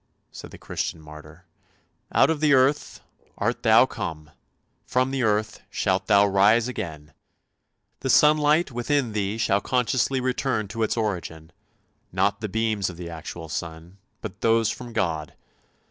" said the Christian martyr, " out of the earth art thou come, from the earth shalt thou rise again ! The sunlight within thee shall consciously return to its origin; not the beams of the actual sun, but those from God!